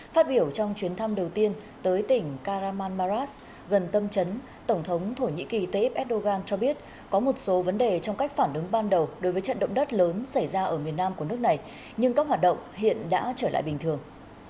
phát biểu trong chuyến thăm đầu tiên tới tỉnh karaman maras gần tâm chấn tổng thống thổ nhĩ kỳ tayyip erdogan cho biết có một số vấn đề trong cách phản ứng ban đầu đối với trận động đất lớn xảy ra ở miền nam của nước này nhưng các hoạt động hiện đã trở lại bình thường